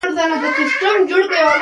زه د خپل هېواد ساتنه کوم